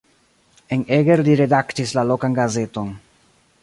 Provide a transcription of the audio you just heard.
En Eger li redaktis la lokan gazeton.